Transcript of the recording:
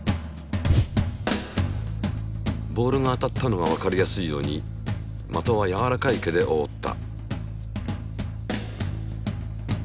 ボールが当たったのがわかりやすいように的はやわらかい毛でおおった。